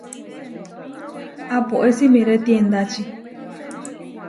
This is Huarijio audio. Apoé simiré tiendači.